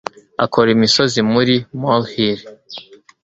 Akora imisozi muri molehill.